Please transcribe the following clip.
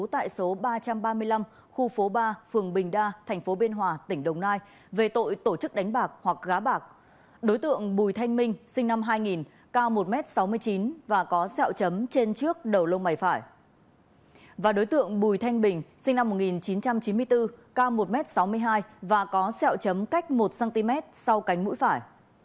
và đối tượng bùi thanh bình sinh năm một nghìn chín trăm chín mươi bốn ca một m sáu mươi hai và có xẹo chấm cách một cm sau cánh mũi phải